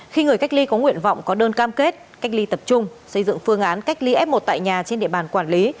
khi người cách ly có nguyện vọng có đơn cam kết cách ly tập trung xây dựng phương án cách ly f một tại nhà trên địa bàn quản lý